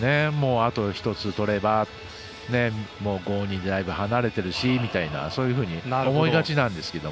あと１つ取れば５−２でだいぶ離れてるしってそういうふうに思いがちなんですけど。